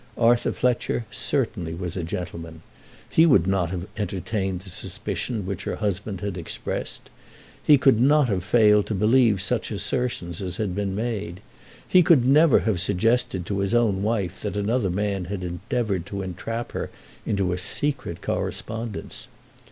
Arthur Fletcher certainly was a gentleman. He would not have entertained the suspicion which her husband had expressed. He could not have failed to believe such assertions as had been made. He could never have suggested to his own wife that another man had endeavoured to entrap her into a secret correspondence.